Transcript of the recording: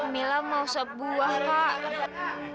mila mau sebuah pak